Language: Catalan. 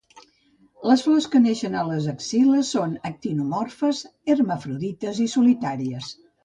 Les flors, que neixen a les axil·les, són actinomorfes, hermafrodites i solitàries.